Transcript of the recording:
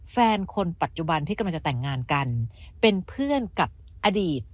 แฟนคนปัจจุบันที่กำลังจะแต่งงานกันเป็นเพื่อนกับอดีต